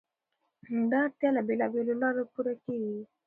دا اړتیا له بېلابېلو لارو پوره کېږي.